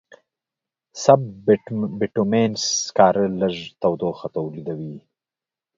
سب بټومینس سکاره لږ تودوخه تولیدوي.